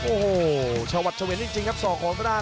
โอ้โหชะวัดเฉียนจริงสอกโกงมาได้